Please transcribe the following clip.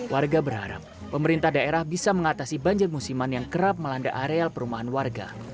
warga berharap pemerintah daerah bisa mengatasi banjir musiman yang kerap melanda areal perumahan warga